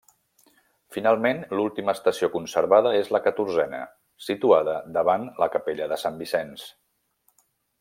Finalment, l'última estació conservada és la catorzena, situada davant la Capella de Sant Vicenç.